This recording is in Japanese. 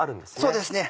そうですね。